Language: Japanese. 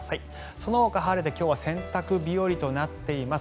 そのほか、晴れて今日は洗濯日和となっています。